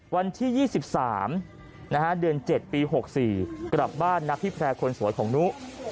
วันที่๒๓เดือน๗ปี๖๔กลับบ้านนะพี่แพร่คนสวยของนุ